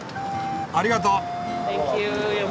ありがとう。